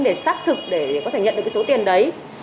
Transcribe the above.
để xác thực để có thể nhận được cái số tiền đấy